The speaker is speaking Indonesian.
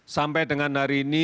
sampai dengan hari ini